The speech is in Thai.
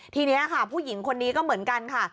ทีนี้ค่ะผู้หญิงคนนี้ก็เหมือนกันค่ะ